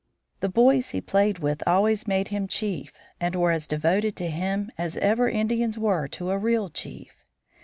The boys he played with always made him chief and were as devoted to him as ever Indians were to a real chief.